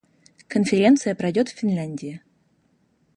Конференция пройдет в Финляндии.